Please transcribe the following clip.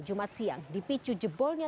jumat siang dipicu jebolnya